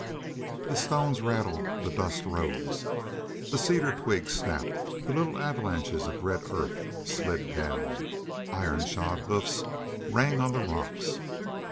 The stones rattled, the dust rose, the cedar twigs snapped, the little avalanches of red earth slid down, the iron shod hoofs rang on the rocks.